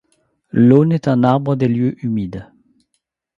L'aune est un arbre des lieux humides.